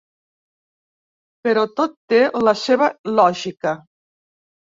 Però tot té la seva lògica.